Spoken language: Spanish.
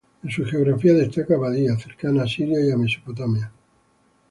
En su geografía destaca Badia, cercana a Siria y Mesopotamia.